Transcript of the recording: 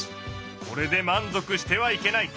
これで満足してはいけない。